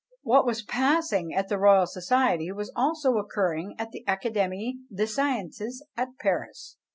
What was passing at the "Royal Society" was also occurring at the "Académie des Sciences" at Paris.